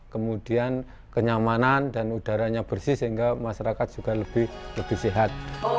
kemudian kenyamanan dan udaranya bersih sehingga masyarakat juga lebih sehat